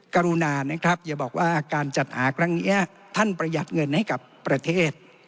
กรุณานะครับอย่าบอกว่าการจัดหาครั้งนี้ท่านประหยัดเงินให้กับประเทศ